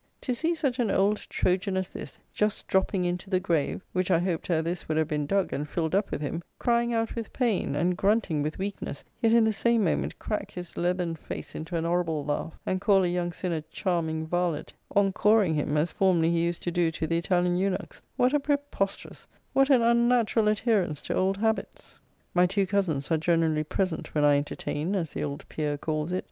To see such an old Trojan as this, just dropping into the grave, which I hoped ere this would have been dug, and filled up with him; crying out with pain, and grunting with weakness; yet in the same moment crack his leathern face into an horrible laugh, and call a young sinner charming varlet, encoreing him, as formerly he used to do to the Italian eunuchs; what a preposterous, what an unnatural adherence to old habits! My two cousins are generally present when I entertain, as the old peer calls it.